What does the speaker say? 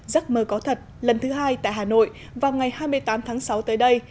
giấc mơ có thật lần thứ hai tại hà nội vào ngày hai mươi tám tháng sáu tới đây